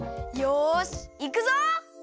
よしいくぞ！